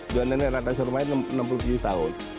dua nenek rata suruh main enam puluh tujuh tahun